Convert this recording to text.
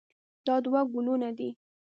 دا دوه ګلونه دي.